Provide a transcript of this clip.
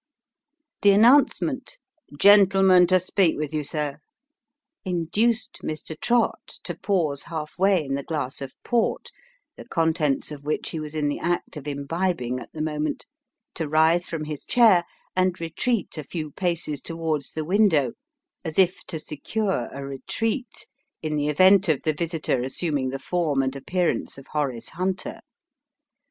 The announcement, " Gentleman to speak with you, sir," induced Mr. Trott to pause half way in the glass of port, the contents of which he was in the act of imbibing at the moment ; to rise from his chair ; and retreat a few paces towards the window, as if to secure a retreat, in the event of the visitor assuming the form and appearance of Horace Hunter.